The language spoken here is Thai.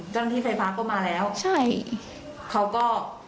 ตั้งที่ไฟพลาคก็มาแล้วเขาก็